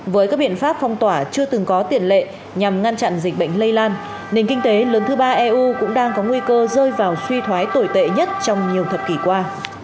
với các biện pháp phong tỏa chưa từng có tiền lệ nhằm ngăn chặn dịch bệnh lây lan nền kinh tế lớn thứ ba eu cũng đang có nguy cơ rơi vào suy thoái tồi tệ nhất trong nhiều thập kỷ qua